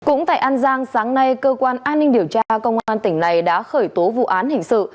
cũng tại an giang sáng nay cơ quan an ninh điều tra công an tỉnh này đã khởi tố vụ án hình sự